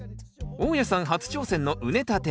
大家さん初挑戦の畝立て。